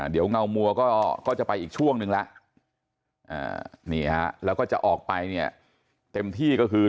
เดี๋ยวเงามัวก็จะไปอีกช่วงนึงแล้วแล้วก็จะออกไปเนี่ยเต็มที่ก็คือ